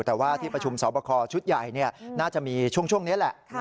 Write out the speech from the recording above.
แต่ว่าที่ประชุมสอบคอชุดใหญ่น่าจะมีช่วงนี้แหละ